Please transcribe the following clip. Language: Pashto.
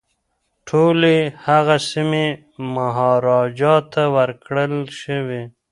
ټولي هغه سیمي مهاراجا ته ورکړل شوې.